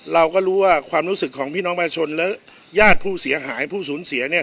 เราก็รู้ว่าความรู้สึกของพี่น้องประชาชนและญาติผู้เสียหายผู้สูญเสียเนี่ย